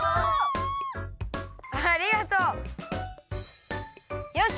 ありがとう！よし！